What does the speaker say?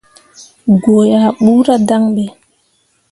Goo ah ɓuura dan ɓe.